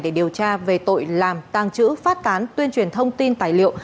để điều tra về tội làm tàng trữ phát tán tuyên truyền thông tin tài liệu